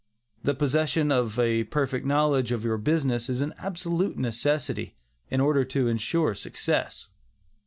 The possession of a perfect knowledge of your business is an absolute necessity in order to insure success.